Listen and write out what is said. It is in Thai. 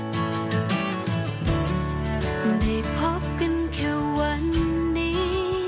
ได้พบกันแค่วันนี้